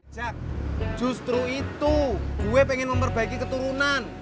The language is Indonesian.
cak justru itu gue pengen memperbaiki keturunan